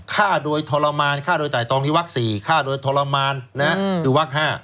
ฆ่าโดยทรมานฆ่าโดยไตตองที่วัก๔ฆ่าโดยทรมานคือวัก๕